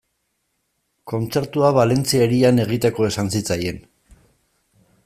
Kontzertua Valentzia hirian egiteko esan zitzaien.